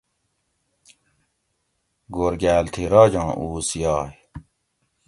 گھور گال تھی راجاں اوڅ یاگ